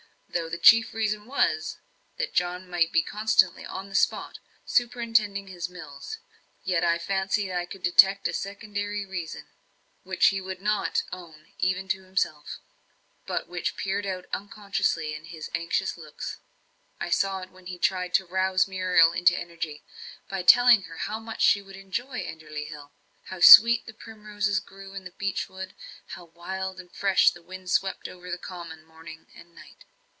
Though the chief reason was, that John might be constantly on the spot, superintending his mills, yet I fancied I could detect a secondary reason, which he would not own even to himself; but which peered out unconsciously in his anxious looks. I saw it when he tried to rouse Muriel into energy, by telling her how much she would enjoy Enderley Hill; how sweet the primroses grew in the beechwood, and how wild and fresh the wind swept over the common, morning and night.